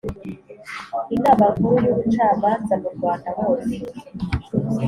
Inama Nkuru y’ubucamanza mu urwanda hose